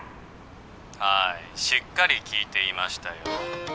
☎はいしっかり聞いていましたよ